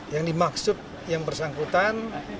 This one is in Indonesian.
yang dimaksud yang bersangkutan